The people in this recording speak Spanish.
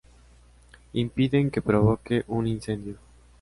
Impiden que provoque un incendio.